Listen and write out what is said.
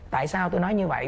tại sao tôi nói như vậy